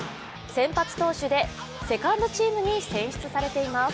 先発投手でセカンドチームに選出されています。